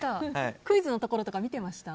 クイズのところとか見てました？